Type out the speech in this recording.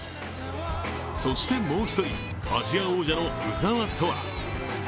そして、もう一人、アジア王者の鵜澤飛羽。